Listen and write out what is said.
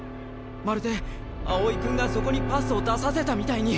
まるで青井君がそこにパスを出させたみたいに。